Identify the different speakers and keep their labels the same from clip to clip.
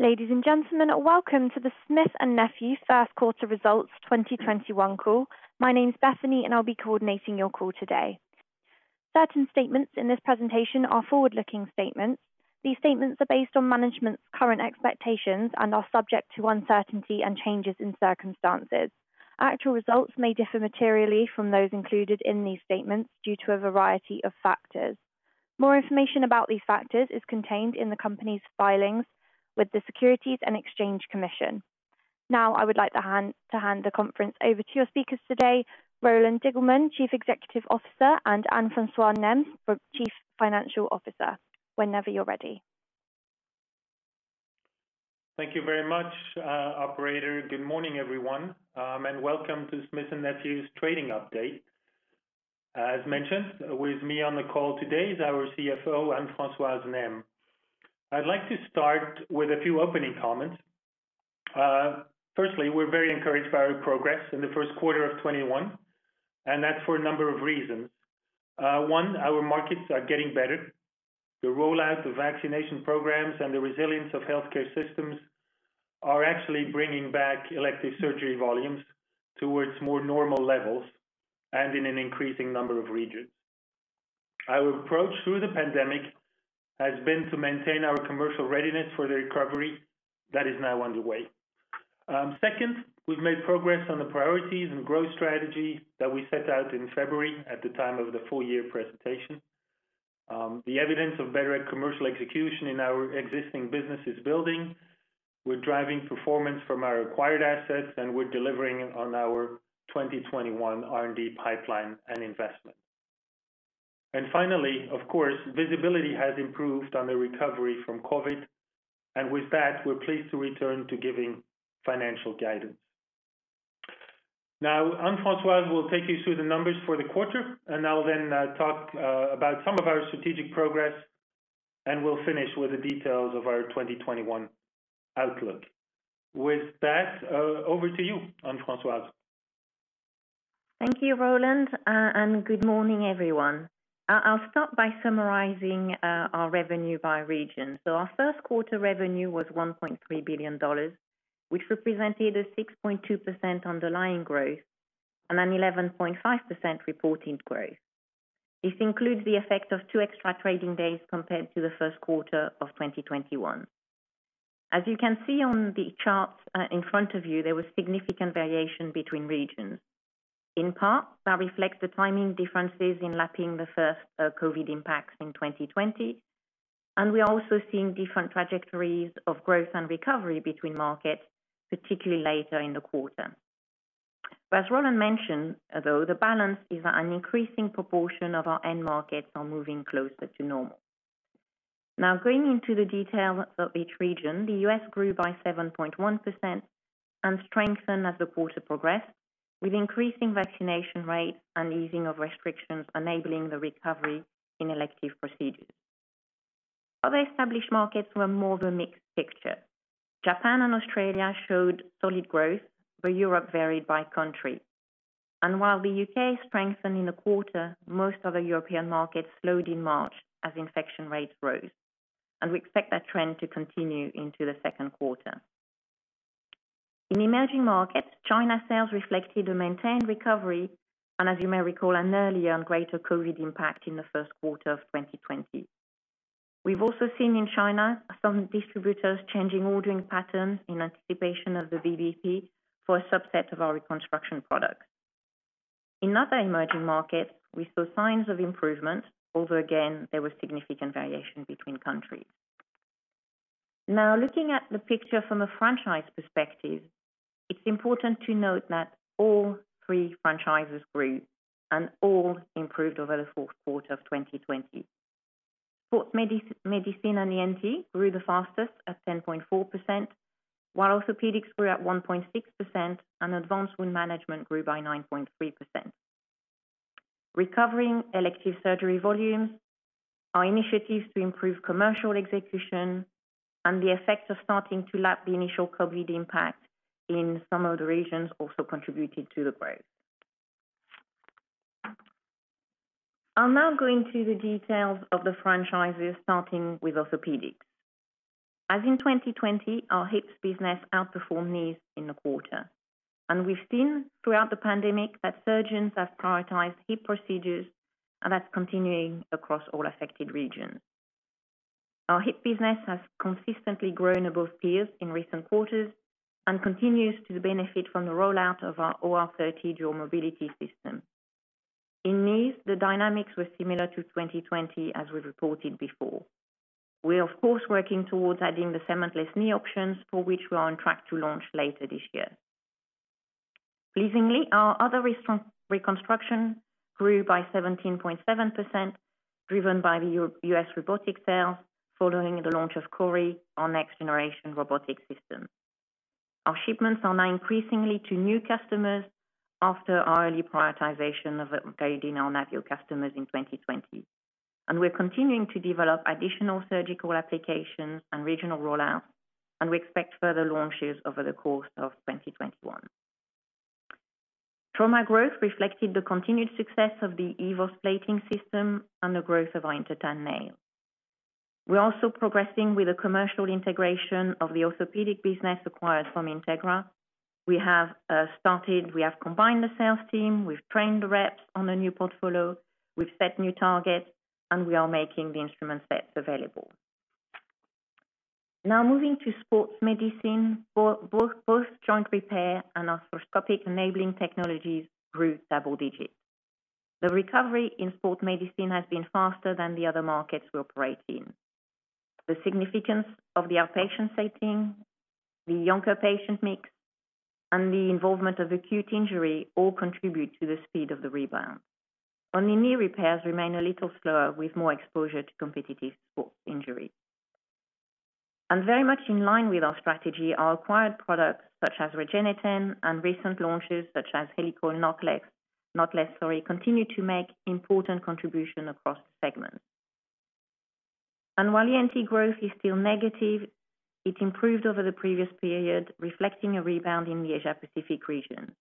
Speaker 1: Ladies and gentlemen, welcome to the Smith & Nephew First Quarter Results 2021 call. My name's Bethany, and I'll be coordinating your call today. Certain statements in this presentation are forward-looking statements. These statements are based on management's current expectations and are subject to uncertainty and changes in circumstances. Actual results may differ materially from those included in these statements due to a variety of factors. More information about these factors is contained in the company's filings with the Securities and Exchange Commission. Now, I would like to hand the conference over to your speakers today, Roland Diggelmann, Chief Executive Officer, and Anne-Françoise Nesme, Chief Financial Officer. Whenever you're ready.
Speaker 2: Thank you very much, operator. Good morning, everyone, and welcome to Smith & Nephew's trading update. As mentioned, with me on the call today is our CFO, Anne-Françoise Nesme. I'd like to start with a few opening comments. Firstly, we're very encouraged by our progress in the first quarter of 2021, and that's for a number of reasons. One, our markets are getting better. The rollout of vaccination programs and the resilience of healthcare systems are actually bringing back elective surgery volumes towards more normal levels and in an increasing number of regions. Our approach through the pandemic has been to maintain our commercial readiness for the recovery that is now underway. Second, we've made progress on the priorities and growth strategy that we set out in February at the time of the full-year presentation. The evidence of better commercial execution in our existing business is building. We're driving performance from our acquired assets, and we're delivering on our 2021 R&D pipeline and investment. Finally, of course, visibility has improved on the recovery from COVID. With that, we're pleased to return to giving financial guidance. Now, Anne-Françoise will take you through the numbers for the quarter, and I'll then talk about some of our strategic progress, and we'll finish with the details of our 2021 outlook. With that, over to you, Anne-Françoise.
Speaker 3: Thank you, Roland, and good morning, everyone. I'll start by summarizing our revenue by region. Our first quarter revenue was $1.3 billion, which represented a 6.2% underlying growth and an 11.5% reported growth. This includes the effect of two extra trading days compared to the first quarter of 2021. As you can see on the charts in front of you, there was significant variation between regions. In part, that reflects the timing differences in lapping the first COVID impacts in 2020, and we're also seeing different trajectories of growth and recovery between markets, particularly later in the quarter. As Roland mentioned, though, the balance is that an increasing proportion of our end markets are moving closer to normal. Now, going into the detail of each region, the U.S. grew by 7.1% and strengthened as the quarter progressed with increasing vaccination rates and easing of restrictions enabling the recovery in elective procedures. Other established markets were more of a mixed picture. Japan and Australia showed solid growth. Europe varied by country. While the U.K. strengthened in the quarter, most other European markets slowed in March as infection rates rose, and we expect that trend to continue into the second quarter. In emerging markets, China sales reflected a maintained recovery and, as you may recall, an earlier and greater COVID impact in the first quarter of 2020. We've also seen in China some distributors changing ordering patterns in anticipation of the VBP for a subset of our reconstruction products. In other emerging markets, we saw signs of improvement, although again, there was significant variation between countries. Looking at the picture from a franchise perspective, it's important to note that all three franchises grew and all improved over the fourth quarter of 2020. Sports Medicine & ENT grew the fastest at 10.4%, while Orthopaedics grew at 1.6% and Advanced Wound Management grew by 9.3%. Recovering elective surgery volumes, our initiatives to improve commercial execution, and the effects of starting to lap the initial COVID impact in some of the regions also contributed to the growth. I'll now go into the details of the franchises, starting with Orthopaedics. As in 2020, our hips business outperformed knees in the quarter. We've seen throughout the pandemic that surgeons have prioritized hip procedures, and that's continuing across all affected regions. Our hip business has consistently grown above peers in recent quarters and continues to benefit from the rollout of our OR3O dual mobility system. In knees, the dynamics were similar to 2020 as we reported before. We are, of course, working towards adding the cement-less knee options for which we are on track to launch later this year. Pleasingly, our other reconstruction grew by 17.7%, driven by the U.S. robotic sales following the launch of CORI, our next-generation robotic system. Our shipments are now increasingly to new customers after our early prioritization of upgrading our NAVIO customers in 2020. We're continuing to develop additional surgical applications and regional rollout, and we expect further launches over the course of 2021. Trauma growth reflected the continued success of the EVOS plating system and the growth of our INTERTAN nail. We're also progressing with the commercial integration of the orthopedic business acquired from Integra. We have started. We have combined the sales team, we've trained the reps on the new portfolio, we've set new targets, and we are making the instrument sets available. Now moving to Sports Medicine, both joint repair and arthroscopic enabling technologies grew double digits. The recovery in Sports Medicine has been faster than the other markets we operate in. The significance of the outpatient setting, the younger patient mix, and the involvement of acute injury all contribute to the speed of the rebound. Only knee repairs remain a little slower, with more exposure to competitive sports injuries. Very much in line with our strategy are acquired products such as REGENETEN and recent launches such as HEALICOIL KNOTLESS, Knotless story continue to make important contribution across segments. While ENT growth is still negative, it improved over the previous period, reflecting a rebound in the Asia-Pacific region.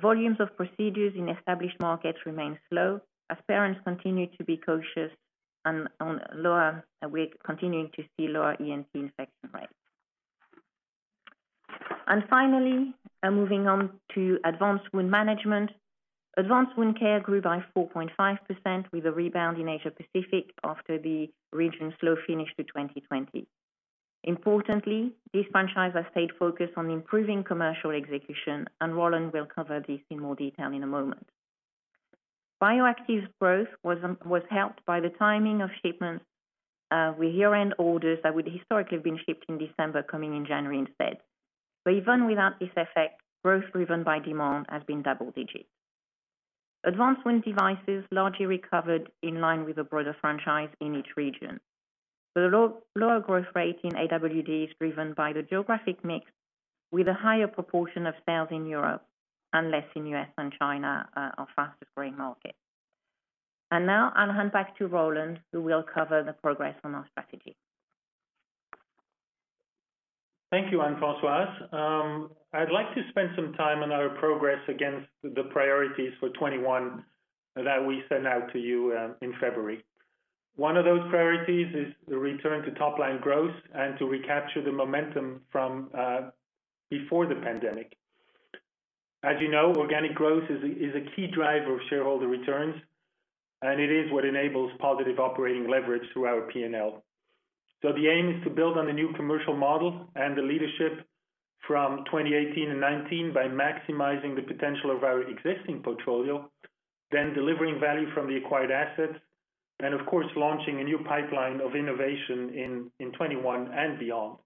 Speaker 3: Volumes of procedures in established markets remain slow as patients continue to be cautious and we're continuing to see lower ENT infection rates. Finally, moving on to Advanced Wound Management. Advanced wound care grew by 4.5% with a rebound in Asia-Pacific after the region's slow finish to 2020. Importantly, this franchise has stayed focused on improving commercial execution, and Roland will cover this in more detail in a moment. Bioactives' growth was helped by the timing of shipments with year-end orders that would historically have been shipped in December, coming in January instead. Even without this effect, growth driven by demand has been double digits. Advanced wound devices largely recovered in line with the broader franchise in each region. The lower growth rate in AWD is driven by the geographic mix, with a higher proportion of sales in Europe and less in U.S. and China, our fastest-growing markets. Now I'll hand back to Roland, who will cover the progress on our strategy.
Speaker 2: Thank you, Anne-Françoise. I'd like to spend some time on our progress against the priorities for 2021 that we sent out to you in February. One of those priorities is the return to top-line growth and to recapture the momentum from before the pandemic. As you know, organic growth is a key driver of shareholder returns, and it is what enables positive operating leverage through our P&L. The aim is to build on the new commercial model and the leadership from 2018 and 2019 by maximizing the potential of our existing portfolio, then delivering value from the acquired assets, and of course, launching a new pipeline of innovation in 2021 and beyond.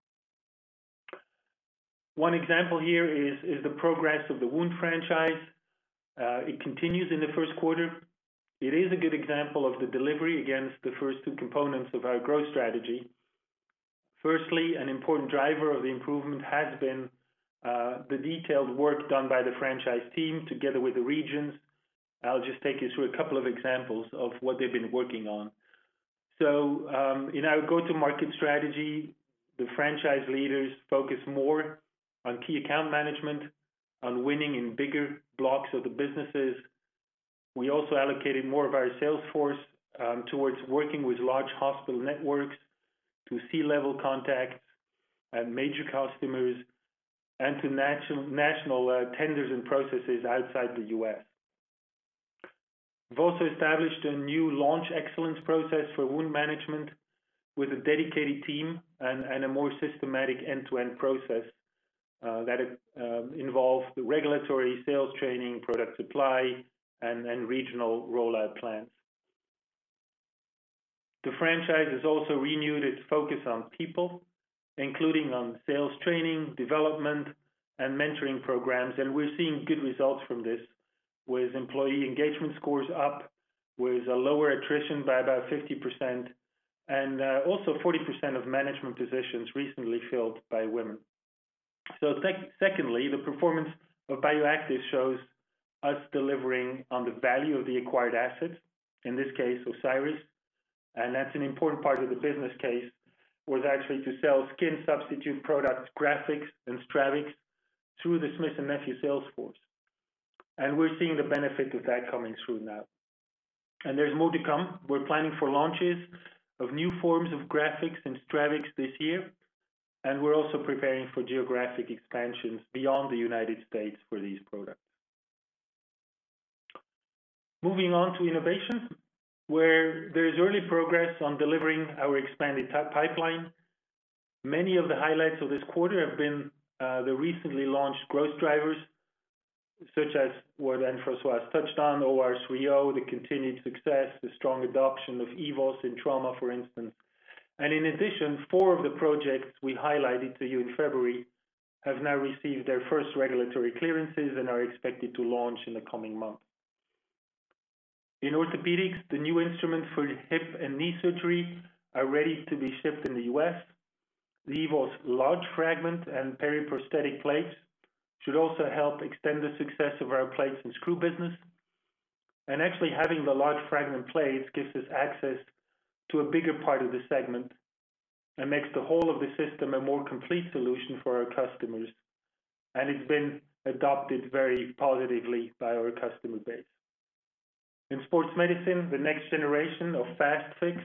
Speaker 2: One example here is the progress of the wound franchise. It continues in the first quarter. It is a good example of the delivery against the first two components of our growth strategy. Firstly, an important driver of the improvement has been the detailed work done by the franchise team together with the regions. I'll just take you through a couple of examples of what they've been working on. In our go-to-market strategy, the franchise leaders focus more on key account management, on winning in bigger blocks of the businesses. We also allocated more of our sales force towards working with large hospital networks, to C-level contacts and major customers, and to national tenders and processes outside the U.S. We've also established a new launch excellence process for Advanced Wound Management with a dedicated team and a more systematic end-to-end process that involves the regulatory sales training, product supply, and regional rollout plans. The franchise has also renewed its focus on people, including on sales training, development, and mentoring programs, and we're seeing good results from this, with employee engagement scores up, with a lower attrition by about 50%, and also 40% of management positions recently filled by women. Secondly, the performance of Bioactives shows us delivering on the value of the acquired assets, in this case, Osiris. That's an important part of the business case, was actually to sell skin substitute products, GRAFIX and STRAVIX, through the Smith & Nephew sales force. We're seeing the benefit of that coming through now. There's more to come. We're planning for launches of new forms of GRAFIX and STRAVIX this year, and we're also preparing for geographic expansions beyond the United States for these products. Moving on to innovations, where there is early progress on delivering our expanded pipeline. Many of the highlights of this quarter have been the recently launched growth drivers, such as what Anne-Françoise touched on, OR3O, the continued success, the strong adoption of EVOS in trauma, for instance. In addition, four of the projects we highlighted to you in February have now received their first regulatory clearances and are expected to launch in the coming months. In Orthopaedics, the new instruments for hip and knee surgery are ready to be shipped in the U.S. The EVOS large fragment and periprosthetic plates should also help extend the success of our plates and screw business. Actually having the large fragment plates gives us access to a bigger part of the segment and makes the whole of the system a more complete solution for our customers. It's been adopted very positively by our customer base. In sports medicine, the next generation of FAST-FIX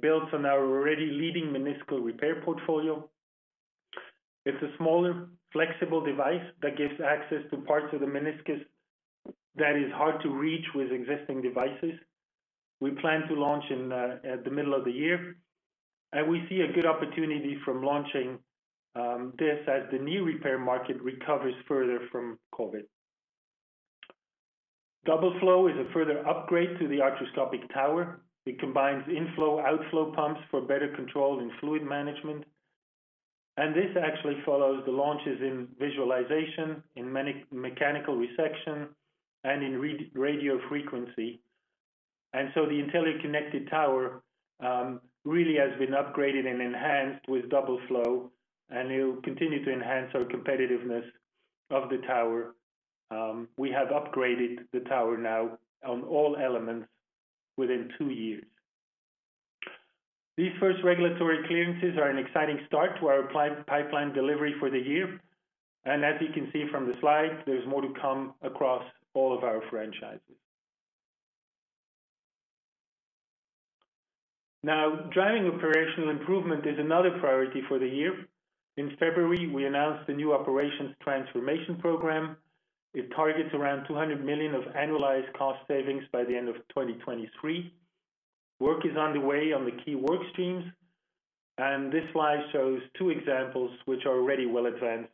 Speaker 2: builds on our already leading meniscal repair portfolio. It's a smaller, flexible device that gives access to parts of the meniscus that is hard to reach with existing devices. We plan to launch in the middle of the year, and we see a good opportunity from launching this as the knee repair market recovers further from COVID. DOUBLEFLO is a further upgrade to the arthroscopic tower. It combines inflow/outflow pumps for better control in fluid management. This actually follows the launches in visualization, in mechanical resection, and in radiofrequency. The INTELLIO Connected Tower really has been upgraded and enhanced with DOUBLEFLO, and it will continue to enhance our competitiveness of the tower. We have upgraded the tower now on all elements within two years. These first regulatory clearances are an exciting start to our pipeline delivery for the year. As you can see from the slide, there's more to come across all of our franchises. Now, driving operational improvement is another priority for the year. In February, we announced the new operations transformation program. It targets around 200 million of annualized cost savings by the end of 2023. Work is underway on the key work streams. This slide shows two examples which are already well advanced.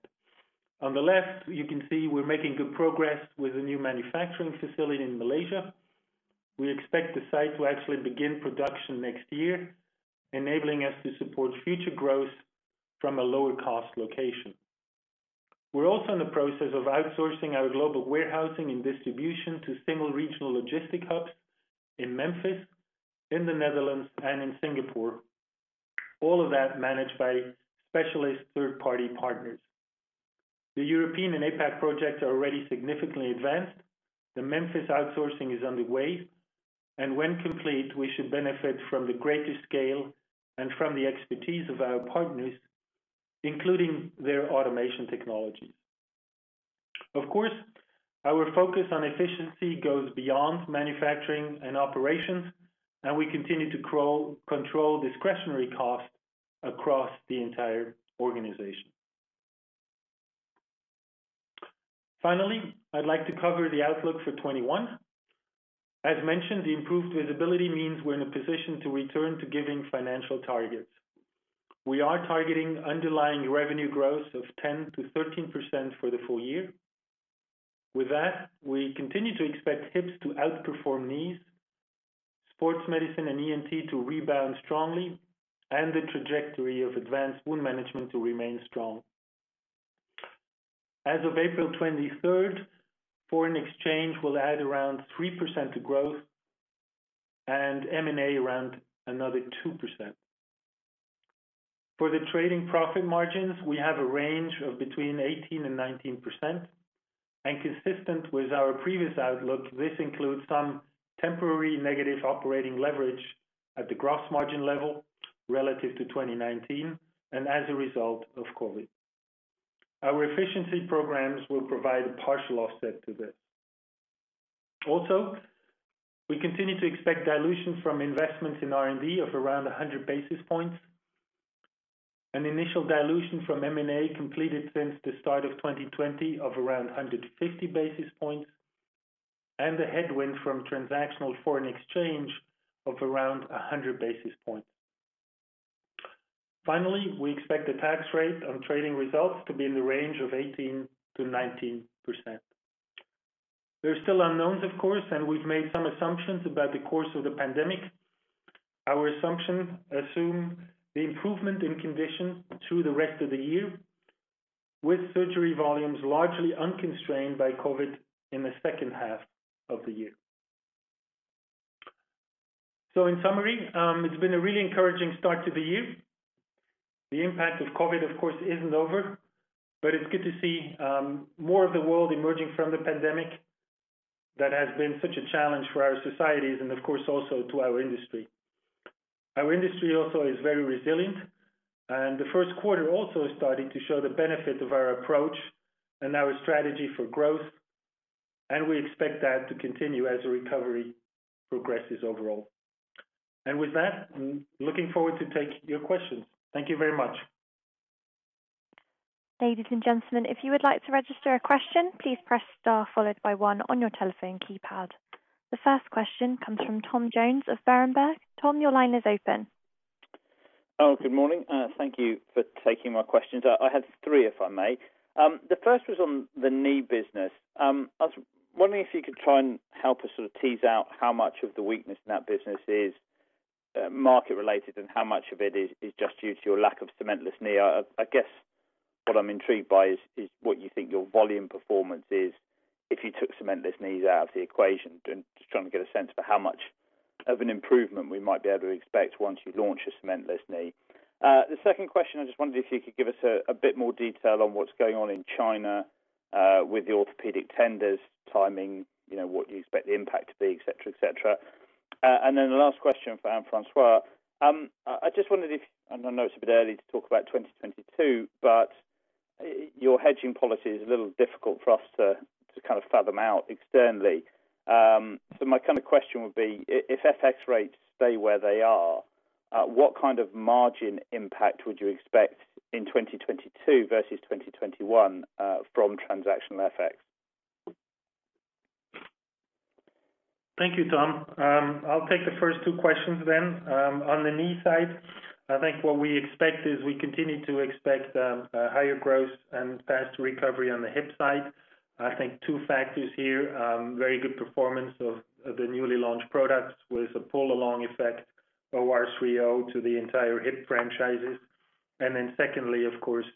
Speaker 2: On the left, you can see we're making good progress with a new manufacturing facility in Malaysia. We expect the site to actually begin production next year, enabling us to support future growth from a lower-cost location. We're also in the process of outsourcing our global warehousing and distribution to single regional logistic hubs in Memphis, in the Netherlands, and in Singapore. All of that managed by specialist third-party partners. The European and APAC projects are already significantly advanced. The Memphis outsourcing is underway. When complete, we should benefit from the greater scale and from the expertise of our partners, including their automation technologies. Of course, our focus on efficiency goes beyond manufacturing and operations, and we continue to control discretionary costs across the entire organization. Finally, I'd like to cover the outlook for 2021. As mentioned, the improved visibility means we're in a position to return to giving financial targets. We are targeting underlying revenue growth of 10%-13% for the full year. With that, we continue to expect hips to outperform knees, Sports Medicine & ENT to rebound strongly, and the trajectory of Advanced Wound Management to remain strong. As of April 23rd, foreign exchange will add around 3% to growth and M&A around another 2%. For the trading profit margins, we have a range of between 18% and 19%. Consistent with our previous outlook, this includes some temporary negative operating leverage at the gross margin level relative to 2019 and as a result of COVID. Our efficiency programs will provide a partial offset to this. Also, we continue to expect dilution from investments in R&D of around 100 basis points. An initial dilution from M&A completed since the start of 2020 of around 150 basis points, and a headwind from transactional foreign exchange of around 100 basis points. Finally, we expect the tax rate on trading results to be in the range of 18%-19%. There are still unknowns, of course, and we've made some assumptions about the course of the pandemic. Our assumptions assume the improvement in conditions through the rest of the year, with surgery volumes largely unconstrained by COVID in the second half of the year. In summary, it's been a really encouraging start to the year. The impact of COVID, of course, isn't over, but it's good to see more of the world emerging from the pandemic that has been such a challenge for our societies and of course also to our industry. Our industry also is very resilient, and the first quarter also is starting to show the benefit of our approach and our strategy for growth, and we expect that to continue as the recovery progresses overall. With that, looking forward to taking your questions. Thank you very much.
Speaker 1: Ladies and gentlemen, if you would like to register a question, please press star followed by one on your telephone keypad. The first question comes from Tom Jones of Berenberg. Tom, your line is open.
Speaker 4: Good morning. Thank you for taking my questions. I have three, if I may. The first was on the knee business. I was wondering if you could try and help us sort of tease out how much of the weakness in that business is market-related, and how much of it is just due to your lack of cementless knee? I guess what I'm intrigued by is what you think your volume performance is if you took cementless knees out of the equation. Just trying to get a sense for how much of an improvement we might be able to expect once you launch a cementless knee. The second question, I just wondered if you could give us a bit more detail on what's going on in China with the Orthopaedics tenders timing, what you expect the impact to be, et cetera. The last question for Anne-Françoise. I just wondered if, and I know it's a bit early to talk about 2022, but your hedging policy is a little difficult for us to kind of fathom out externally. My question would be if FX rates stay where they are, what kind of margin impact would you expect in 2022 versus 2021, from transactional FX?
Speaker 2: Thank you, Tom. I'll take the first two questions then. On the knee side, I think what we expect is we continue to expect higher growth and fast recovery on the hip side. I think two factors here, very good performance of the newly launched products with a pull-along effect, OR3O to the entire hip franchises. Secondly, of course,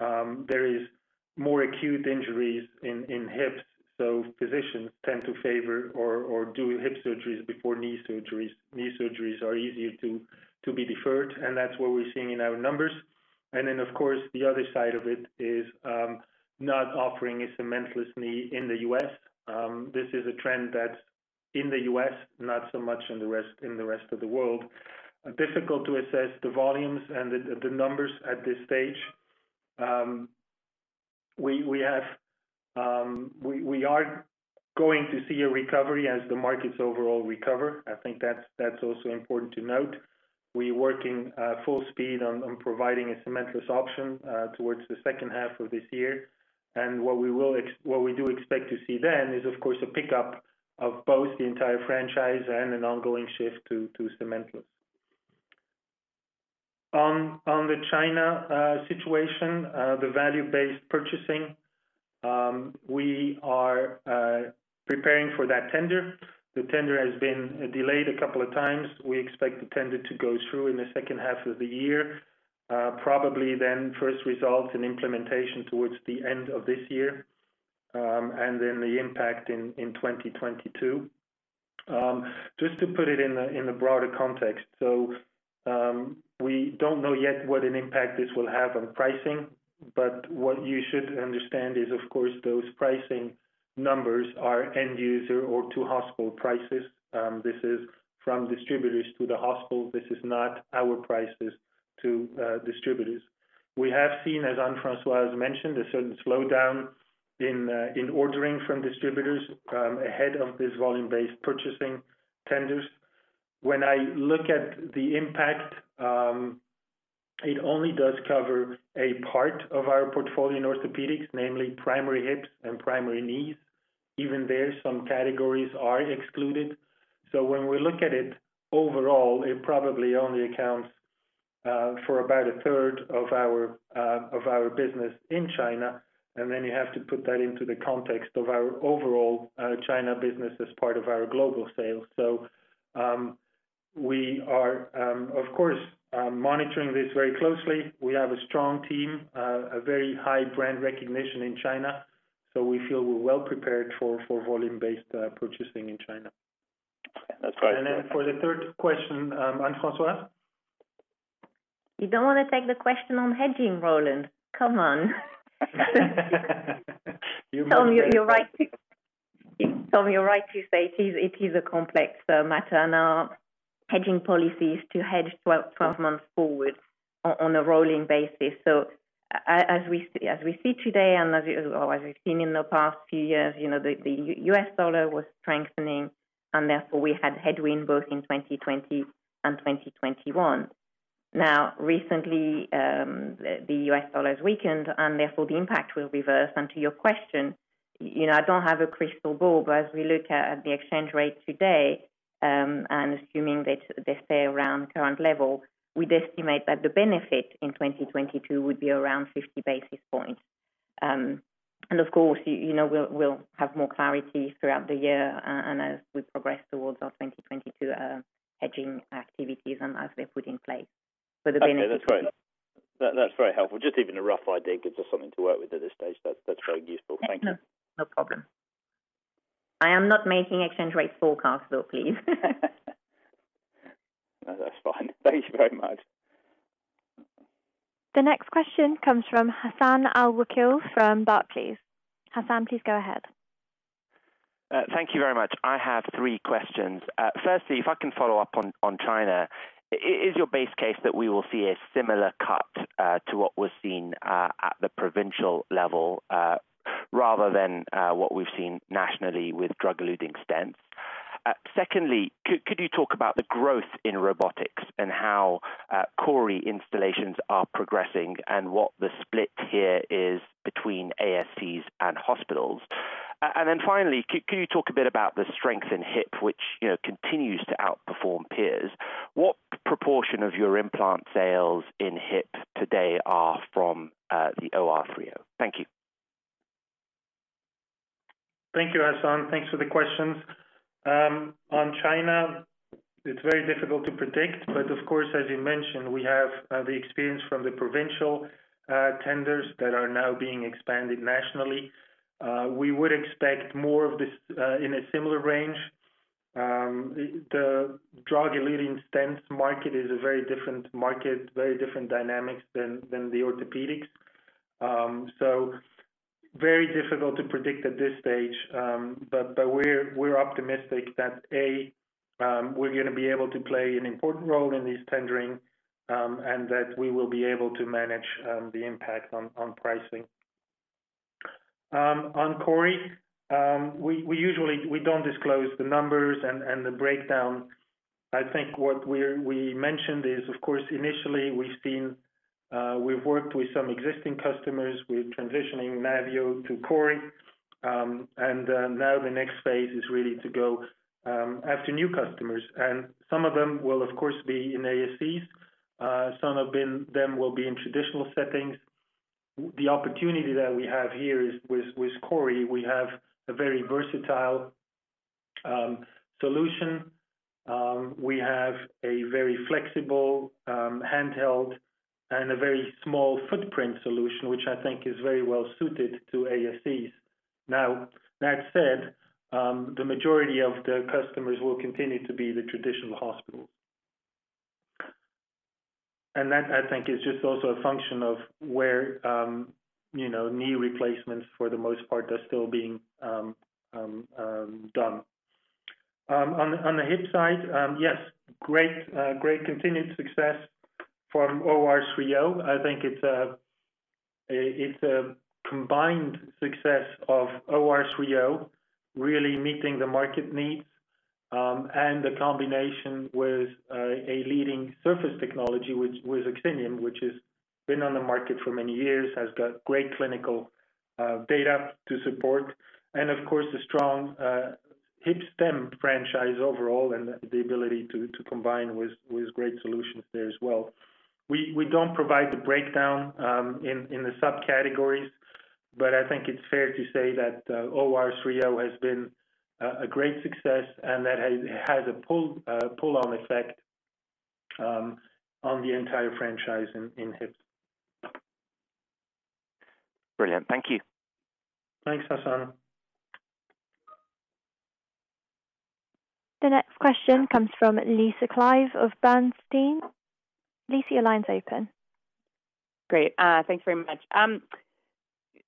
Speaker 2: there is more acute injuries in hips, so physicians tend to favor or do hip surgeries before knee surgeries. Knee surgeries are easier to be deferred, and that's what we're seeing in our numbers. Of course, the other side of it is not offering a cementless knee in the U.S. This is a trend that's in the U.S., not so much in the rest of the world. Difficult to assess the volumes and the numbers at this stage. We are going to see a recovery as the markets overall recover. I think that's also important to note. We're working full speed on providing a cementless option towards the second half of this year. What we do expect to see then is, of course, a pickup of both the entire franchise and an ongoing shift to cementless. On the China situation, the value-based purchasing, we are preparing for that tender. The tender has been delayed a couple of times. We expect the tender to go through in the second half of the year. Probably first results in implementation towards the end of this year, and then the impact in 2022. Just to put it in a broader context. We don't know yet what an impact this will have on pricing, but what you should understand is, of course, those pricing numbers are end user or to hospital prices. This is from distributors to the hospital. This is not our prices to distributors. We have seen, as Anne-Françoise has mentioned, a certain slowdown in ordering from distributors ahead of this volume-based purchasing tenders. When I look at the impact, it only does cover a part of our portfolio in orthopedics, namely primary hips and primary knees. Even there, some categories are excluded. When we look at it overall, it probably only accounts for about a third of our business in China. You have to put that into the context of our overall China business as part of our global sales. We are, of course, monitoring this very closely. We have a strong team, a very high brand recognition in China. We feel we're well prepared for volume-based purchasing in China.
Speaker 4: Okay. That's great.
Speaker 2: Then for the third question, Anne-Françoise?
Speaker 3: You don't want to take the question on hedging, Roland? Come on.
Speaker 2: You must take it.
Speaker 3: Tom, you're right to say it is a complex matter, and our hedging policy is to hedge 12 months forward on a rolling basis. As we see today, and as we've seen in the past few years, the U.S. dollar was strengthening, and therefore we had headwind both in 2020 and 2021. Recently, the U.S. dollar has weakened, and therefore the impact will reverse. To your question, I don't have a crystal ball, but as we look at the exchange rate today, and assuming that they stay around current level, we'd estimate that the benefit in 2022 would be around 50 basis points. Of course, we'll have more clarity throughout the year, and as we progress towards our 2022 hedging activities and as they're put in place.
Speaker 4: Okay. That's great. That's very helpful. Just even a rough idea gives us something to work with at this stage. That's very useful. Thank you.
Speaker 3: No problem. I am not making exchange rate forecasts though, please.
Speaker 4: No, that's fine. Thank you very much.
Speaker 1: The next question comes from Hassan Al-Wakeel from Barclays. Hassan, please go ahead.
Speaker 5: Thank you very much. I have three questions. Firstly, if I can follow up on China, is your base case that we will see a similar cut to what was seen at the provincial level, rather than what we've seen nationally with drug-eluting stents? Secondly, could you talk about the growth in robotics and how CORI installations are progressing and what the split here is between ASCs and hospitals? Finally, could you talk a bit about the strength in hip, which continues to outperform peers? What proportion of your implant sales in hip today are from the OR3O? Thank you.
Speaker 2: Thank you, Hassan. Thanks for the questions. On China, it's very difficult to predict, but of course, as you mentioned, we have the experience from the provincial tenders that are now being expanded nationally. We would expect more of this in a similar range. The drug-eluting stents market is a very different market, very different dynamics than the Orthopaedics. Very difficult to predict at this stage. We're optimistic that, A, we're going to be able to play an important role in this tendering, and that we will be able to manage the impact on pricing. On CORI, we don't disclose the numbers and the breakdown. I think what we mentioned is, of course, initially we've worked with some existing customers. We're transitioning NAVIO to CORI. Now the next phase is really to go after new customers. Some of them will, of course, be in ASCs. Some of them will be in traditional settings. The opportunity that we have here is with CORI, we have a very versatile solution. We have a very flexible handheld and a very small footprint solution, which I think is very well-suited to ASCs. Now, that said, the majority of the customers will continue to be the traditional hospitals. That, I think, is just also a function of where knee replacements, for the most part, are still being done. On the hip side, yes, great continued success from OR3O. I think it's a combined success of OR3O really meeting the market needs, and the combination with a leading surface technology, with OXINIUM, which has been on the market for many years, has got great clinical data to support. Of course, a strong hip stem franchise overall and the ability to combine with great solutions there as well. We don't provide the breakdown in the subcategories, but I think it's fair to say that OR3O has been a great success, and that it has a pull-on effect on the entire franchise in hips.
Speaker 5: Brilliant. Thank you.
Speaker 2: Thanks, Hassan.
Speaker 1: The next question comes from Lisa Clive of Bernstein. Lisa, your line's open.
Speaker 6: Great. Thanks very much.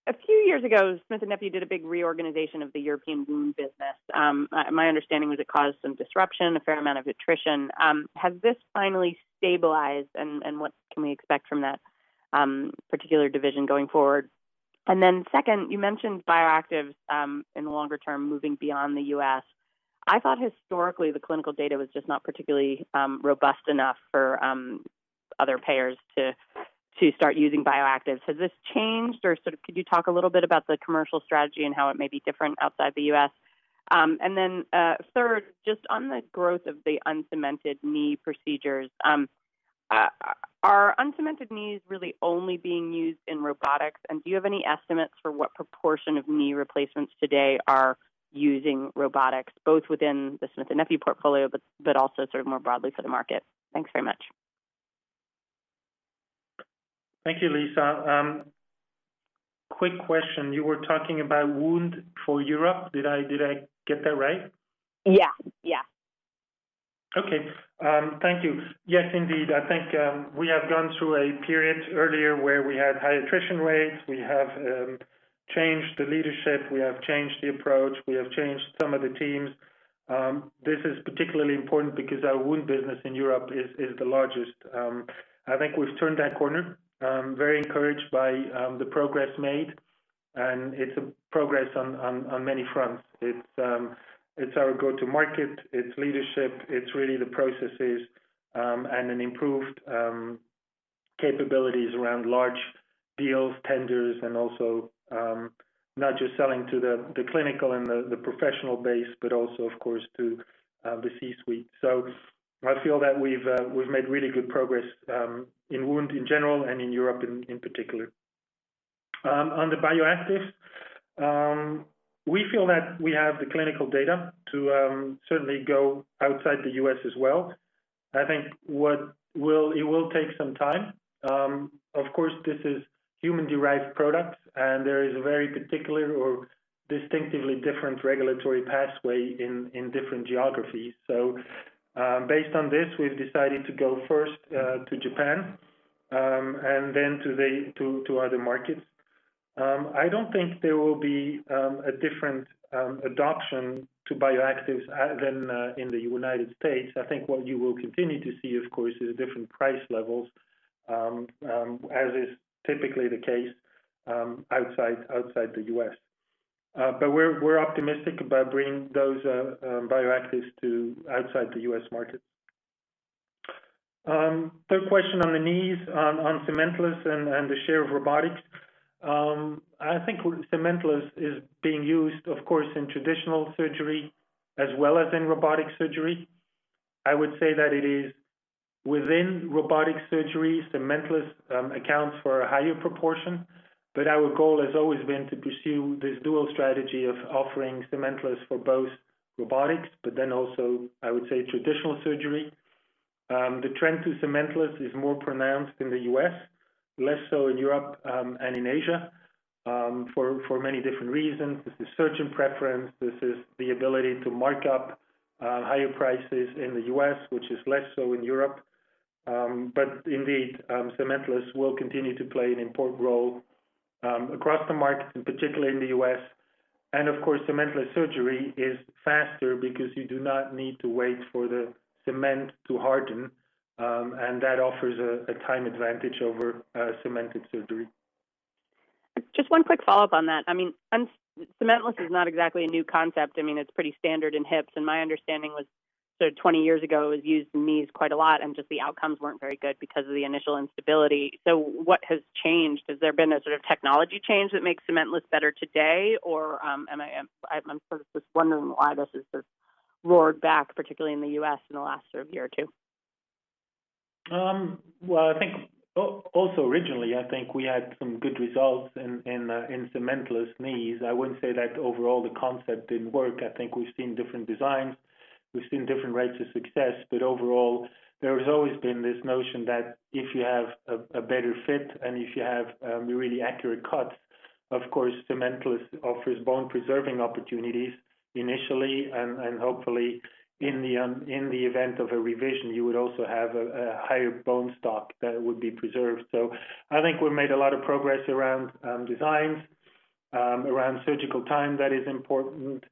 Speaker 6: A few years ago, Smith & Nephew did a big reorganization of the European wound business. My understanding was it caused some disruption, a fair amount of attrition. Has this finally stabilized, and what can we expect from that particular division going forward? Second, you mentioned Bioactives in the longer term, moving beyond the U.S. I thought historically the clinical data was just not particularly robust enough for other payers to start using Bioactives. Has this changed or could you talk a little bit about the commercial strategy and how it may be different outside the U.S.? Third, just on the growth of the uncemented knee procedures. Are uncemented knees really only being used in robotics? Do you have any estimates for what proportion of knee replacements today are using robotics, both within the Smith & Nephew portfolio, but also sort of more broadly for the market? Thanks very much.
Speaker 2: Thank you, Lisa. Quick question. You were talking about wound for Europe. Did I get that right?
Speaker 6: Yeah.
Speaker 2: Okay. Thank you. Yes, indeed. I think we have gone through a period earlier where we had high attrition rates. We have changed the leadership. We have changed the approach. We have changed some of the teams. This is particularly important because our wound business in Europe is the largest. I think we've turned that corner. I'm very encouraged by the progress made, and it's progress on many fronts. It's our go-to-market, it's leadership. It's really the processes, and an improved capabilities around large deals, tenders, and also not just selling to the clinical and the professional base, but also, of course, to the C-suite. I feel that we've made really good progress in wound in general and in Europe in particular. On the Bioactives, we feel that we have the clinical data to certainly go outside the U.S. as well. I think it will take some time. Of course, this is human-derived products, and there is a very particular or distinctively different regulatory pathway in different geographies. Based on this, we've decided to go first to Japan, and then to other markets. I don't think there will be a different adoption to Bioactives than in the United States. I think what you will continue to see, of course, is different price levels, as is typically the case outside the U.S. We're optimistic about bringing those Bioactives to outside the U.S. market. Third question on the knees, on cementless and the share of robotics. I think cementless is being used, of course, in traditional surgery as well as in robotic surgery. I would say that it is within robotic surgery, cementless accounts for a higher proportion. Our goal has always been to pursue this dual strategy of offering cementless for both robotics, but then also, I would say traditional surgery. The trend to cementless is more pronounced in the U.S., less so in Europe and in Asia for many different reasons. This is surgeon preference. This is the ability to mark up higher prices in the U.S., which is less so in Europe. Indeed, cementless will continue to play an important role across the markets, and particularly in the U.S. Of course, cementless surgery is faster because you do not need to wait for the cement to harden, and that offers a time advantage over cemented surgery.
Speaker 6: Just one quick follow-up on that. Cementless is not exactly a new concept. It's pretty standard in hips, and my understanding was 20 years ago, it was used in knees quite a lot, and just the outcomes weren't very good because of the initial instability. What has changed? Has there been a sort of technology change that makes cementless better today, or I'm sort of just wondering why this has just roared back, particularly in the U.S., in the last sort of year or two.
Speaker 2: I think also originally, I think we had some good results in cementless knees. I wouldn't say that overall the concept didn't work. I think we've seen different designs. We've seen different rates of success. Overall, there has always been this notion that if you have a better fit and if you have a really accurate cut, of course, cementless offers bone-preserving opportunities initially, and hopefully in the event of a revision, you would also have a higher bone stock that would be preserved. I think we've made a lot of progress around designs, around surgical time, that is important.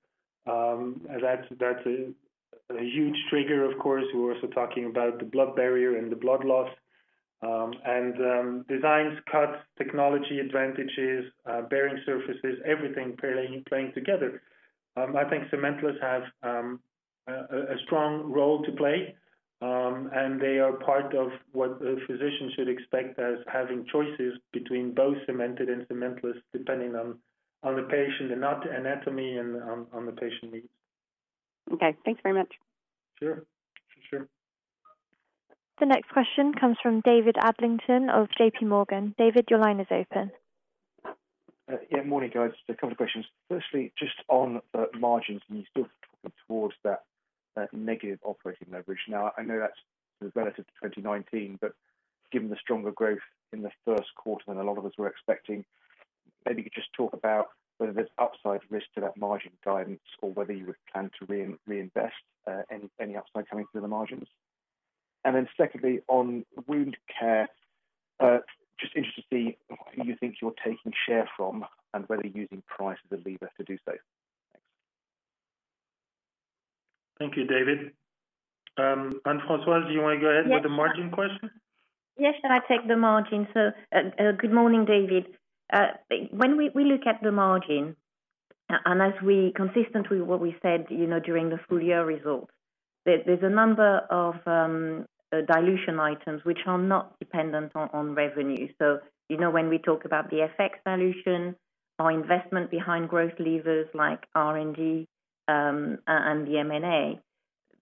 Speaker 2: That's a huge trigger, of course. We're also talking about the blood barrier and the blood loss. Designs, cuts, technology advantages, bearing surfaces, everything playing together. I think cementless has a strong role to play, and they are part of what a physician should expect as having choices between both cemented and cementless, depending on the patient anatomy and on the patient needs.
Speaker 6: Okay, thanks very much.
Speaker 2: Sure.
Speaker 1: The next question comes from David Adlington of JPMorgan. David, your line is open.
Speaker 7: Yeah, morning, guys. A couple of questions. Firstly, just on margins, you're still talking towards that negative operating leverage. Now, I know that's relative to 2019, given the stronger growth in the first quarter than a lot of us were expecting, maybe you could just talk about whether there's upside risk to that margin guidance or whether you would plan to reinvest any upside coming through the margins. Secondly, on wound care, just interested to see who you think you're taking share from and whether you're using price as a lever to do so. Thanks.
Speaker 2: Thank you, David. Anne-Françoise, do you want to go ahead with the margin question?
Speaker 3: Yes, I take the margin. Good morning, David. When we look at the margin, and as we consistent with what we said during the full-year results, there's a number of dilution items which are not dependent on revenue. When we talk about the FX dilution or investment behind growth levers like R&D and the M&A,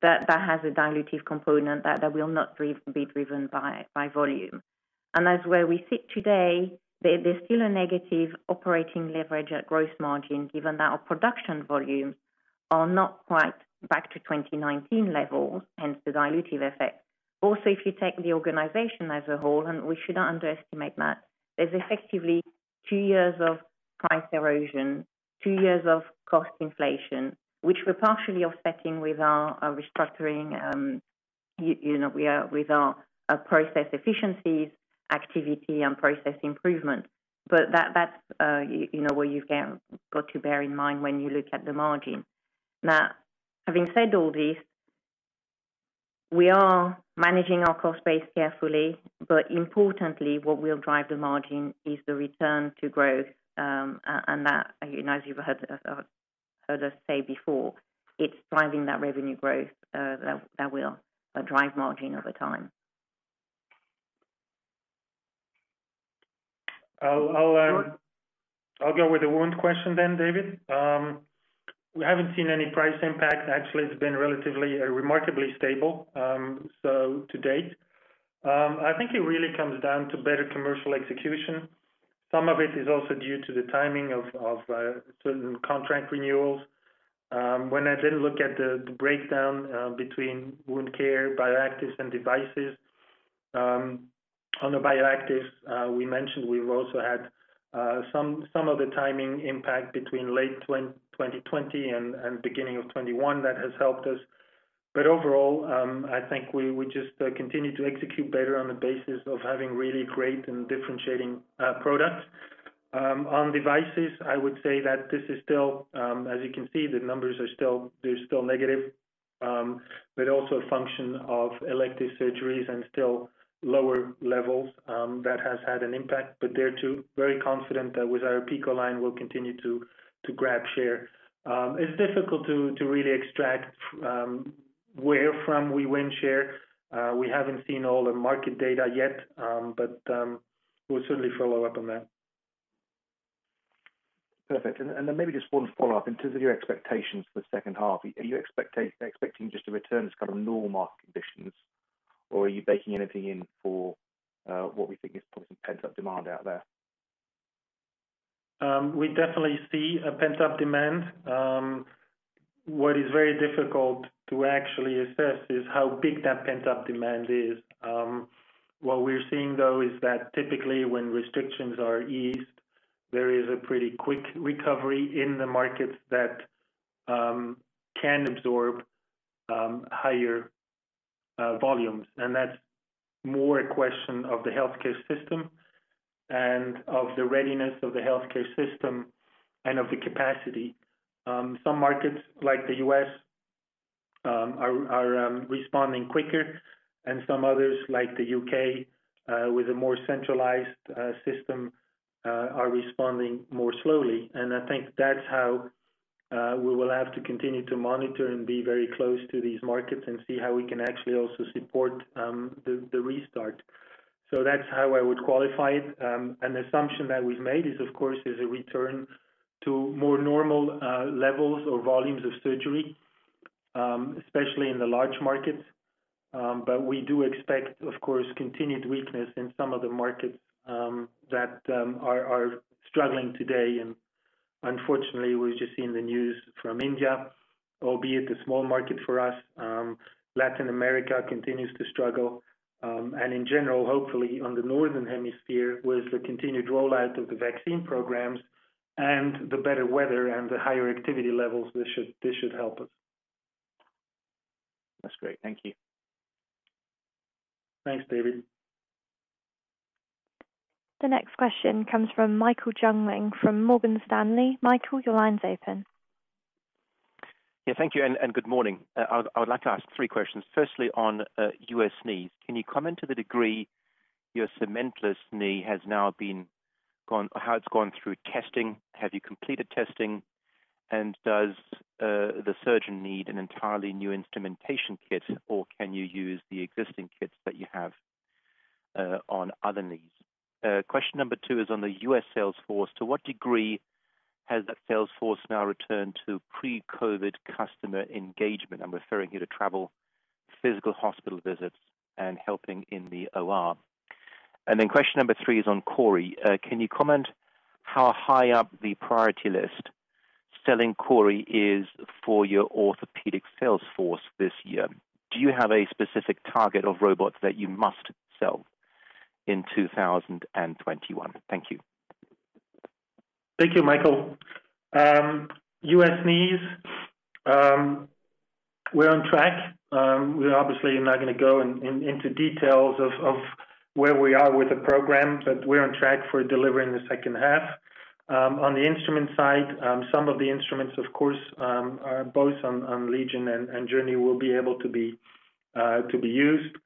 Speaker 3: that has a dilutive component that will not be driven by volume. As where we sit today, there's still a negative operating leverage at gross margin, given that our production volumes are not quite back to 2019 levels, hence the dilutive effect. Also, if you take the organization as a whole, and we should not underestimate that, there's effectively two years of price erosion, two years of cost inflation, which we're partially offsetting with our restructuring, with our process efficiencies, activity, and process improvement. That's where you've got to bear in mind when you look at the margin. Now, having said all this, we are managing our cost base carefully, but importantly, what will drive the margin is the return to growth. That, as you've heard us say before, it's driving that revenue growth that will drive margin over time.
Speaker 2: I'll go with the wound question, David. We haven't seen any price impact. Actually, it's been relatively remarkably stable, so to date. I think it really comes down to better commercial execution. Some of it is also due to the timing of certain contract renewals. When I look at the breakdown between wound care, Bioactives, and devices. On the Bioactives, we mentioned we've also had some of the timing impact between late 2020 and beginning of 2021 that has helped us. Overall, I think we just continue to execute better on the basis of having really great and differentiating products. On devices, I would say that this is still, as you can see, the numbers are still negative, but also a function of elective surgeries and still lower levels. That has had an impact, but there too, very confident that with our PICO line, we'll continue to grab share. It's difficult to really extract where from we win share. We haven't seen all the market data yet, but we'll certainly follow up on that.
Speaker 7: Perfect. Maybe just one follow-up in terms of your expectations for the second half. Are you expecting just a return to kind of normal market conditions, or are you baking anything in for what we think is probably some pent-up demand out there?
Speaker 2: We definitely see a pent-up demand. What is very difficult to actually assess is how big that pent-up demand is. What we're seeing, though, is that typically when restrictions are eased, there is a pretty quick recovery in the markets that can absorb higher volumes. That's more a question of the healthcare system and of the readiness of the healthcare system and of the capacity. Some markets, like the U.S., are responding quicker, and some others, like the U.K., with a more centralized system, are responding more slowly. I think that's how we will have to continue to monitor and be very close to these markets and see how we can actually also support the restart. That's how I would qualify it. An assumption that we've made is, of course, is a return to more normal levels or volumes of surgery, especially in the large markets. We do expect, of course, continued weakness in some of the markets that are struggling today. Unfortunately, we've just seen the news from India, albeit a small market for us. Latin America continues to struggle. In general, hopefully on the northern hemisphere, with the continued rollout of the vaccine programs and the better weather and the higher activity levels, this should help us.
Speaker 7: That's great. Thank you.
Speaker 2: Thanks, David.
Speaker 1: The next question comes from Michael Jüngling from Morgan Stanley. Michael, your line's open.
Speaker 8: Yeah, thank you, good morning. I would like to ask three questions. Firstly, on U.S. knees. Can you comment to the degree your cementless knee, how it's gone through testing? Have you completed testing? Does the surgeon need an entirely new instrumentation kit, or can you use the existing kits that you have on other knees? Question number two is on the U.S. sales force. To what degree has that sales force now returned to pre-COVID customer engagement? I'm referring here to travel, physical hospital visits, and helping in the OR. Question number three is on CORI. Can you comment how high up the priority list selling CORI is for your Orthopaedics sales force this year? Do you have a specific target of robots that you must sell in 2021? Thank you.
Speaker 2: Thank you, Michael. U.S. knees, we're on track. We obviously are not going to go into details of where we are with the program, we're on track for delivering the second half. On the instrument side, some of the instruments, of course, are both on LEGION and JOURNEY will be able to be used.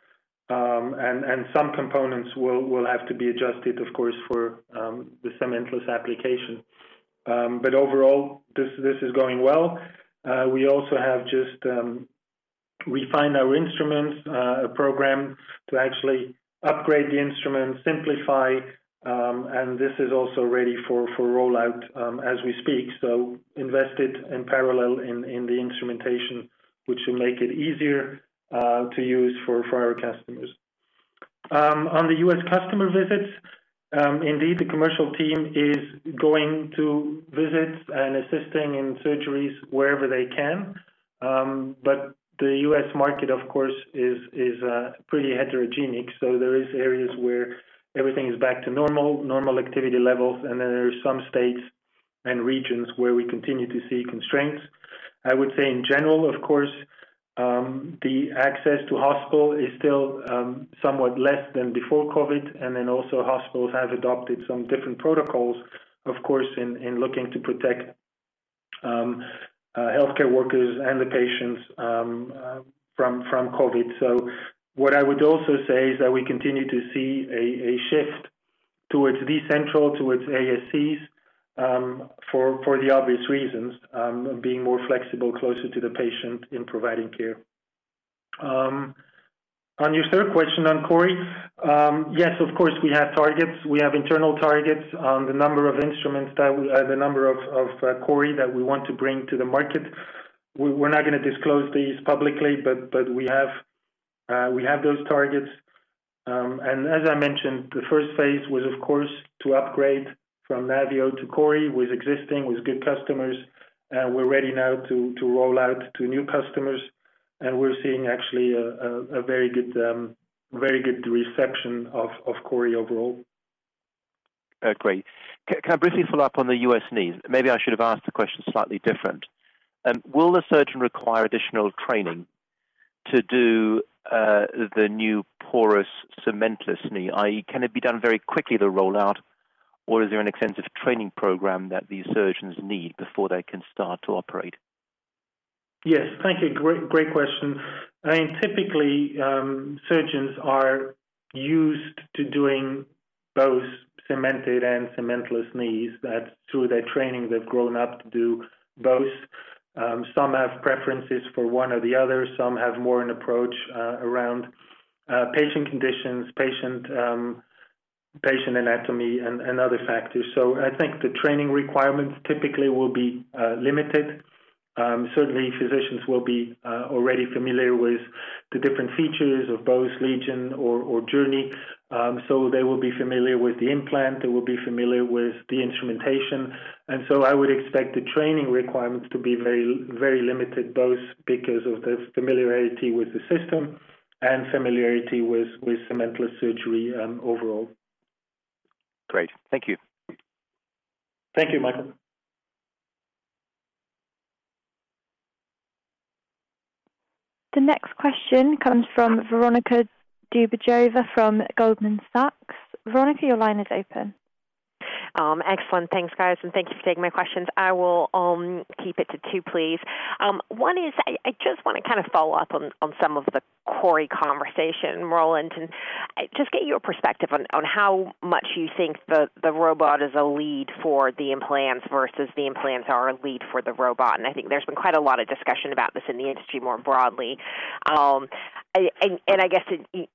Speaker 2: Some components will have to be adjusted, of course, for the cementless application. Overall, this is going well. We also have just refined our instruments program to actually upgrade the instruments, simplify, and this is also ready for rollout as we speak. We invested in parallel in the instrumentation, which will make it easier to use for our customers. On the U.S. customer visits, indeed, the commercial team is going to visit and assisting in surgeries wherever they can. The U.S. market, of course, is pretty heterogenic. There is areas where everything is back to normal activity levels, and then there are some states and regions where we continue to see constraints. I would say in general, of course, the access to hospital is still somewhat less than before COVID, and then also hospitals have adopted some different protocols, of course, in looking to protect healthcare workers and the patients from COVID. What I would also say is that we continue to see a shift towards decentral, towards ASCs for the obvious reasons, being more flexible, closer to the patient in providing care. On your third question on CORI, yes, of course, we have targets. We have internal targets on the number of CORI that we want to bring to the market. We are not going to disclose these publicly, but we have those targets. As I mentioned, the first phase was, of course, to upgrade from NAVIO to CORI with existing, with good customers. We're ready now to roll out to new customers, and we're seeing actually a very good reception of CORI overall.
Speaker 8: Great. Can I briefly follow up on the U.S. knees? Maybe I should have asked the question slightly different. Will the surgeon require additional training to do the new porous cementless knee, i.e., can it be done very quickly, the rollout, or is there an extensive training program that these surgeons need before they can start to operate?
Speaker 2: Yes. Thank you. Great question. Typically, surgeons are used to doing both cemented and cementless knees. That's through their training, they've grown up to do both. Some have preferences for one or the other. Some have more an approach around patient conditions, patient anatomy, and other factors. I think the training requirements typically will be limited. Certainly, physicians will be already familiar with the different features of both LEGION or JOURNEY. They will be familiar with the implant, they will be familiar with the instrumentation. I would expect the training requirements to be very limited, both because of the familiarity with the system and familiarity with cementless surgery overall.
Speaker 8: Great. Thank you.
Speaker 2: Thank you, Michael.
Speaker 1: The next question comes from Veronika Dubajova from Goldman Sachs. Veronika, your line is open.
Speaker 9: Excellent. Thanks, guys. Thank you for taking my questions. I will keep it to two, please. One is, I just want to follow up on some of the CORI conversation, Roland, and just get your perspective on how much you think the robot is a lead for the implants versus the implants are a lead for the robot. I think there's been quite a lot of discussion about this in the industry more broadly. I guess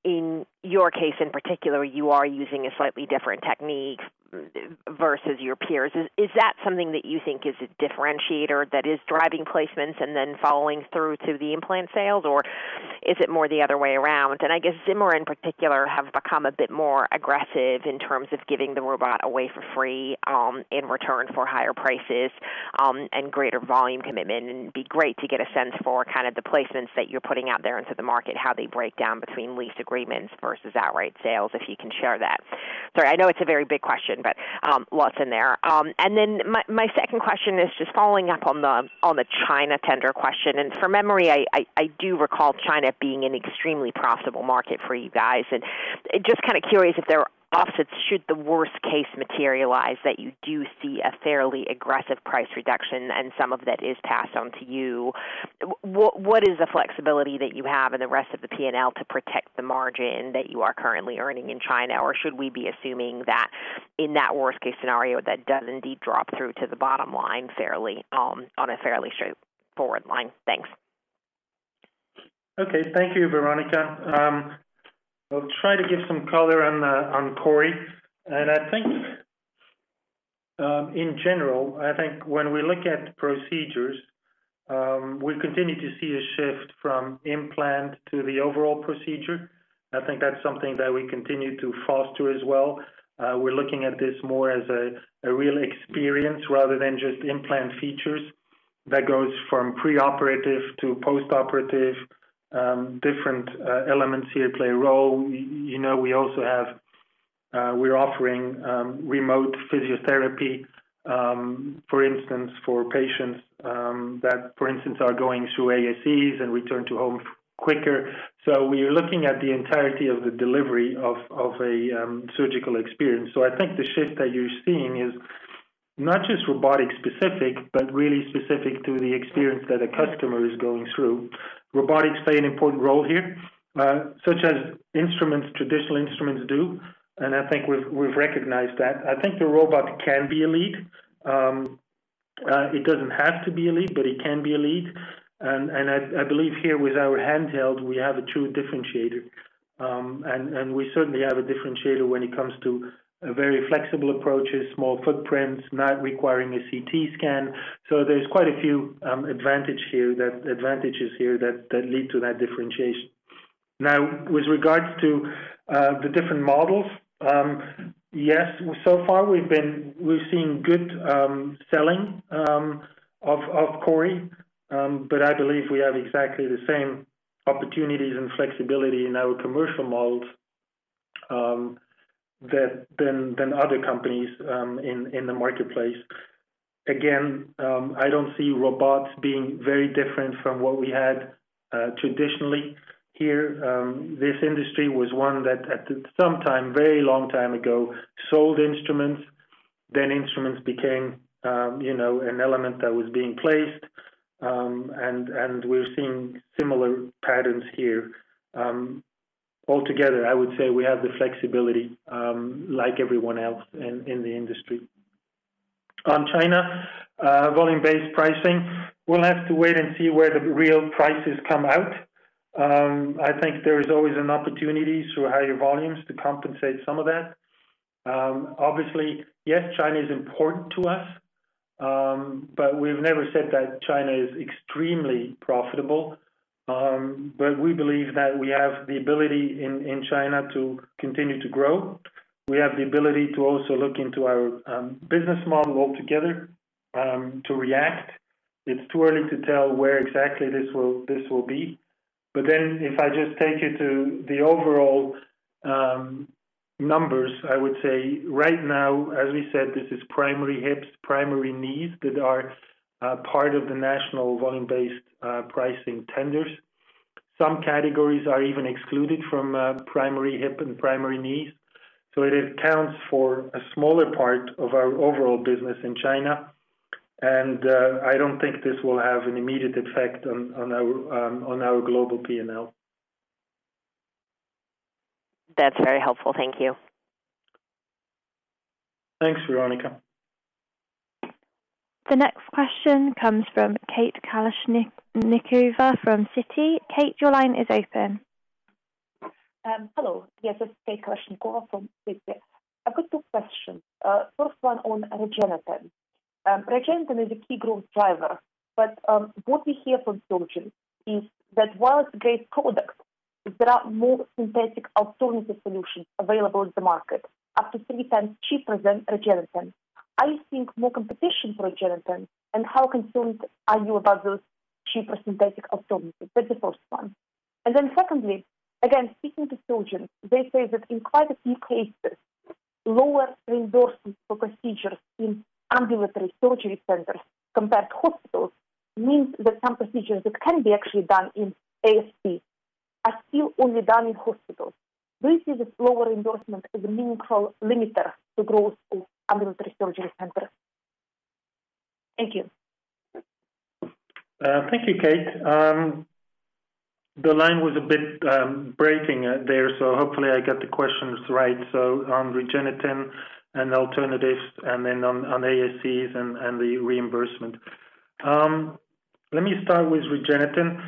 Speaker 9: in your case in particular, you are using a slightly different technique versus your peers. Is that something that you think is a differentiator that is driving placements and then following through to the implant sales, or is it more the other way around? I guess Zimmer, in particular, have become a bit more aggressive in terms of giving the robot away for free in return for higher prices and greater volume commitment, it'd be great to get a sense for the placements that you're putting out there into the market, how they break down between lease agreements versus outright sales, if you can share that. Sorry, I know it's a very big question, but lots in there. My second question is just following up on the China tender question. From memory, I do recall China being an extremely profitable market for you guys. Just curious if there are offsets should the worst case materialize, that do you see a fairly aggressive price reduction and some of that is passed on to you? What is the flexibility that you have in the rest of the P&L to protect the margin that you are currently earning in China? Should we be assuming that in that worst-case scenario, that does indeed drop through to the bottom line on a fairly straightforward line? Thanks.
Speaker 2: Okay. Thank you, Veronika. I'll try to give some color on CORI. I think, in general, I think when we look at procedures, we continue to see a shift from implant to the overall procedure. I think that's something that we continue to foster as well. We're looking at this more as a real experience rather than just implant features that goes from preoperative to postoperative. Different elements here play a role. We're offering remote physiotherapy, for instance, for patients that, for instance, are going through ASCs and return to home quicker. We are looking at the entirety of the delivery of a surgical experience. I think the shift that you're seeing is not just robotic specific, but really specific to the experience that a customer is going through. Robotics play an important role here, such as traditional instruments do, and I think we've recognized that. I think the robot can be a lead. It doesn't have to be a lead, but it can be a lead. I believe here with our handheld, we have a true differentiator. We certainly have a differentiator when it comes to very flexible approaches, small footprints, not requiring a CT scan. There's quite a few advantages here that lead to that differentiation. With regards to the different models. Yes, so far we've seen good selling of CORI, but I believe we have exactly the same opportunities and flexibility in our commercial models than other companies in the marketplace. Again, I don't see robots being very different from what we had traditionally here. This industry was one that at some time, very long time ago, sold instruments. Instruments became an element that was being placed, and we're seeing similar patterns here. Altogether, I would say we have the flexibility like everyone else in the industry. On China volume-based pricing, we'll have to wait and see where the real prices come out. I think there is always an opportunity through higher volumes to compensate some of that. Obviously, yes, China is important to us, but we've never said that China is extremely profitable. We believe that we have the ability in China to continue to grow. We have the ability to also look into our business model altogether to react. It's too early to tell where exactly this will be. If I just take you to the overall numbers, I would say right now, as we said, this is primary hips, primary knees that are part of the national volume-based pricing tenders. Some categories are even excluded from primary hip and primary knees. It accounts for a smaller part of our overall business in China, and I don't think this will have an immediate effect on our global P&L.
Speaker 9: That's very helpful. Thank you.
Speaker 2: Thanks, Veronika.
Speaker 1: The next question comes from Kate Kalashnikova from Citi. Kate, your line is open.
Speaker 10: Hello. Yes, this is Kate Kalashnikova from Citi. I've got two questions. First one on REGENETEN. REGENETEN is a key growth driver, but what we hear from surgeons is that while it's a great product, there are more synthetic alternative solutions available in the market, up to three times cheaper than REGENETEN. Are you seeing more competition for REGENETEN, and how concerned are you about those cheaper synthetic alternatives? That's the first one. Secondly, again, speaking to surgeons, they say that in quite a few cases, lower reimbursement for procedures in Ambulatory Surgery Centers compared to hospitals means that some procedures that can be actually done in ASC are still only done in hospitals. Do you see this lower reimbursement as a meaningful limiter to growth of Ambulatory Surgery Centers? Thank you.
Speaker 2: Thank you, Kate. The line was a bit breaking there, hopefully I got the questions right. On REGENETEN and alternatives, and then on ASCs and the reimbursement. Let me start with REGENETEN.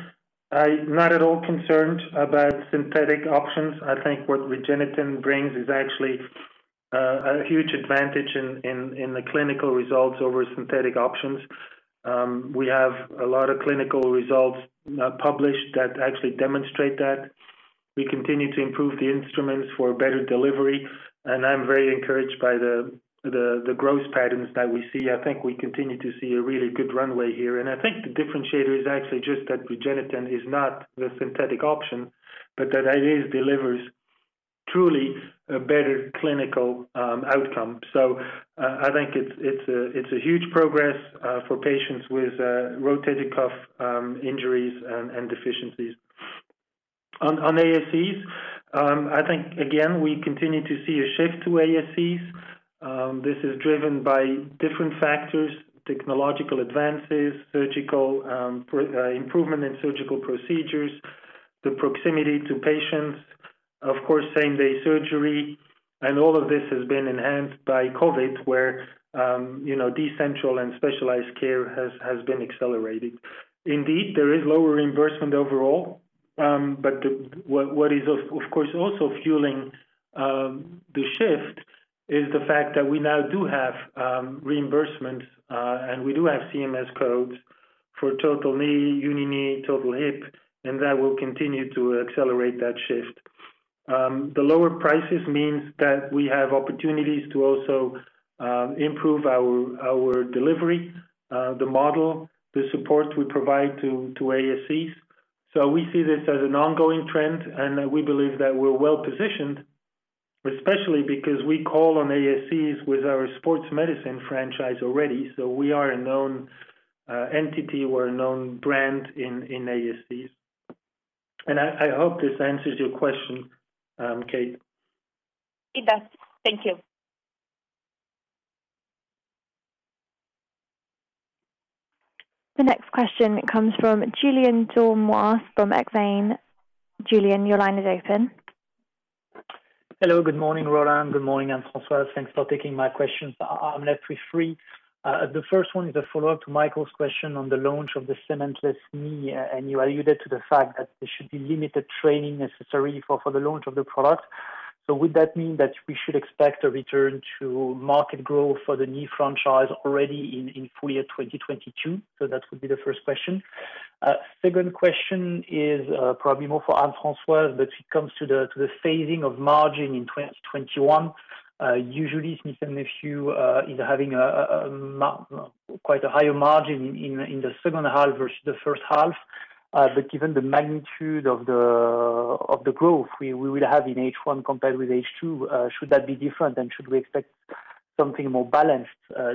Speaker 2: I'm not at all concerned about synthetic options. I think what REGENETEN brings is actually a huge advantage in the clinical results over synthetic options. We have a lot of clinical results published that actually demonstrate that. We continue to improve the instruments for better delivery, and I'm very encouraged by the growth patterns that we see. I think we continue to see a really good runway here. I think the differentiator is actually just that REGENETEN is not the synthetic option, but that it delivers truly a better clinical outcome. I think it's a huge progress for patients with rotator cuff injuries and deficiencies. On ASCs, I think again, we continue to see a shift to ASCs. This is driven by different factors, technological advances, improvement in surgical procedures, the proximity to patients. Of course, same-day surgery, all of this has been enhanced by COVID, where decentralized and specialized care has been accelerated. Indeed, there is lower reimbursement overall. What is, of course, also fueling the shift is the fact that we now do have reimbursement, we do have CMS codes for total knee, uni knee, total hip, that will continue to accelerate that shift. The lower prices means that we have opportunities to also improve our delivery, the model, the support we provide to ASCs. We see this as an ongoing trend, we believe that we're well-positioned, especially because we call on ASCs with our Sports Medicine franchise already. We are a known entity. We're a known brand in ASCs. I hope this answers your question, Kate.
Speaker 10: It does. Thank you.
Speaker 1: The next question comes from Julien Dormois from Exane. Julien, your line is open.
Speaker 11: Hello. Good morning, Roland. Good morning, Anne-Françoise. Thanks for taking my questions. I'm left with three. The first one is a follow-up to Michael's question on the launch of the cementless knee, and you alluded to the fact that there should be limited training necessary for the launch of the product. Would that mean that we should expect a return to market growth for the knee franchise already in full-year 2022? That would be the first question. Second question is probably more for Anne-Françoise, but it comes to the phasing of margin in 2021. Usually, Smith & Nephew is having quite a higher margin in the second half versus the first half. Given the magnitude of the growth we will have in H1 compared with H2, should that be different, and should we expect something more balanced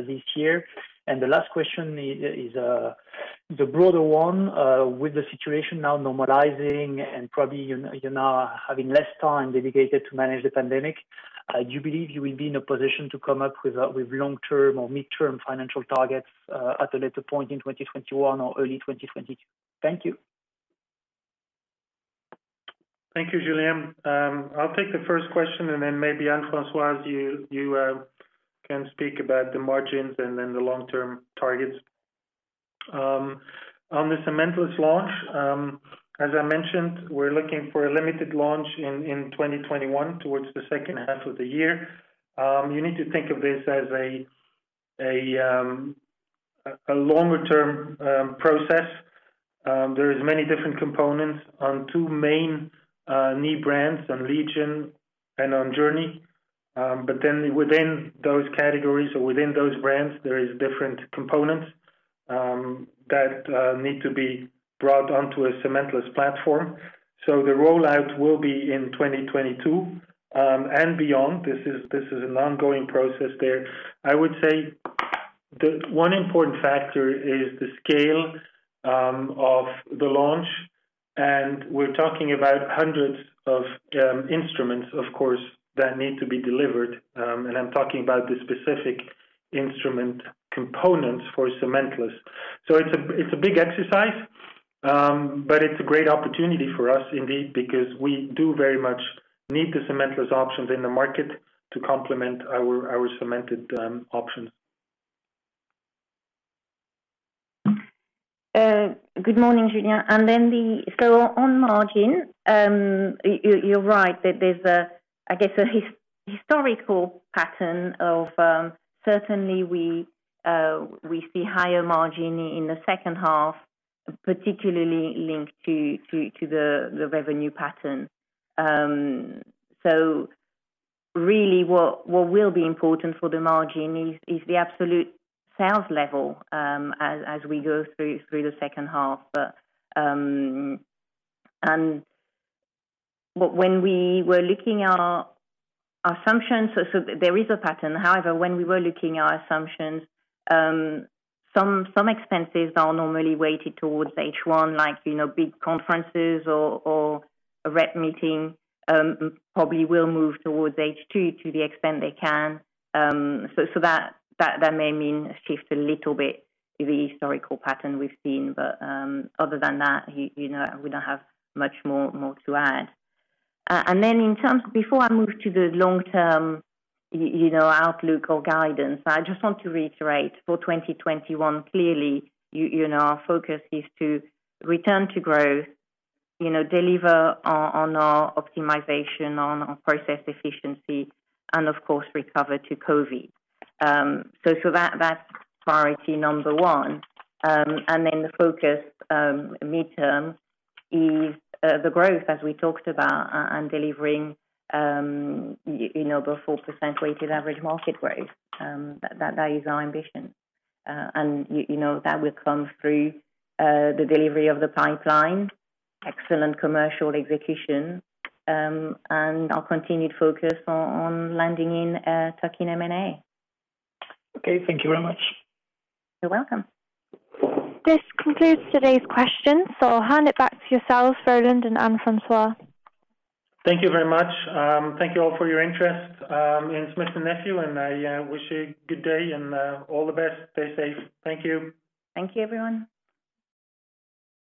Speaker 11: this year? The last question is the broader one. With the situation now normalizing and probably you're now having less time dedicated to manage the pandemic, do you believe you will be in a position to come up with long-term or mid-term financial targets at a later point in 2021 or early 2022? Thank you.
Speaker 2: Thank you, Julien. Then maybe Anne-Françoise, you can speak about the margins then the long-term targets. The cementless launch, as I mentioned, we're looking for a limited launch in 2021 towards the second half of the year. You need to think of this as a longer-term process. There is many different components on two main knee brands, on LEGION and on JOURNEY. Within those categories or within those brands, there is different components that need to be brought onto a cementless platform. The rollout will be in 2022 and beyond. This is an ongoing process there. I would say the one important factor is the scale of the launch, we're talking about hundreds of instruments, of course, that need to be delivered, I'm talking about the specific instrument components for cementless. It's a big exercise, but it's a great opportunity for us, indeed, because we do very much need the cementless options in the market to complement our cemented options.
Speaker 3: Good morning, Julien. On margin, you're right that there's a historical pattern of certainly we see higher margin in the second half, particularly linked to the revenue pattern. When we were looking at our assumptions, there is a pattern, however, when we were looking at our assumptions, some expenses are normally weighted towards H1, like big conferences or a rep meeting, probably will move towards H2 to the extent they can. That may mean a shift a little bit to the historical pattern we've seen, but other than that, we don't have much more to add. Then before I move to the long-term outlook or guidance, I just want to reiterate for 2021, clearly, our focus is to return to growth, deliver on our optimization, on our process efficiency, and of course recover to COVID. That's priority number one. Then the focus midterm is the growth, as we talked about, and delivering the 4% weighted average market growth. That is our ambition. That will come through the delivery of the pipeline, excellent commercial execution, and our continued focus on landing in tuck-in M&A.
Speaker 2: Okay. Thank you very much.
Speaker 11: You're welcome.
Speaker 1: This concludes today's questions, so I'll hand it back to yourselves, Roland and Anne-Françoise.
Speaker 2: Thank you very much. Thank you all for your interest in Smith & Nephew, and I wish you a good day and all the best. Stay safe. Thank you.
Speaker 3: Thank you, everyone.